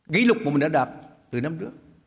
kỷ lục mà mình đã đạt từ năm trước